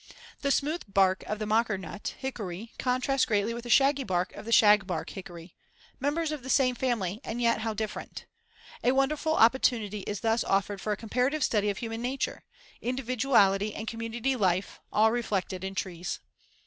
The smooth bark of the mockernut hickory contrasts greatly with the shaggy bark of the shagbark hickory members of the same family and yet how different. A wonderful opportunity is thus offered for a comparative study of human nature individuality and community life, all reflected in trees.